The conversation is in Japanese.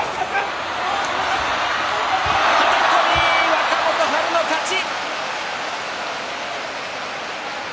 若元春の勝ち。